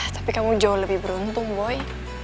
tapi kamu jauh lebih beruntung boy